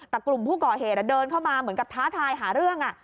แต่กลุ่มผู้ก่อเหตุเดินเข้ามาเหมือนกับท้าทายหาเรื่อง